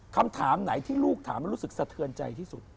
คำถามไหนที่ลูกถามแล้วรู้สึกสะเทือนใจที่สุด